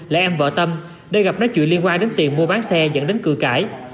lại em vợ tâm để gặp nói chuyện liên quan đến tiền mua bán xe dẫn đến cửa cải